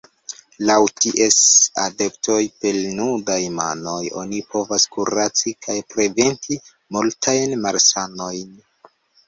Laŭ ties adeptoj, per nudaj manoj oni povas kuraci kaj preventi multajn malsanojn.